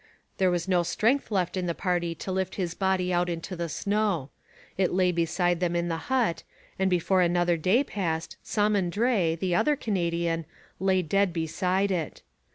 There was no strength left in the party to lift his body out into the snow. It lay beside them in the hut, and before another day passed Samandré, the other Canadian, lay dead beside it.